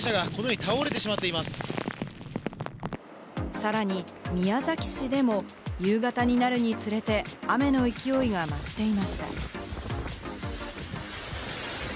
さらに宮崎市でも夕方になるにつれて雨の勢いが増していました。